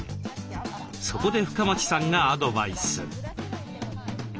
そこで深町さんがアドバイス。